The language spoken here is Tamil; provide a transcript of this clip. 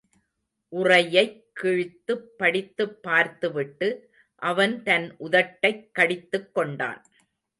உறையைக் கிழித்துப் படித்துப் பார்த்து விட்டு, அவன் தன் உதட்டைக் கடித்துக் கொண்டான்.